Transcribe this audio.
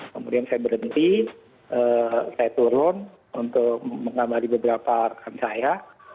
kemudian saya berhenti saya turun untuk mengamari beberapa rekan saya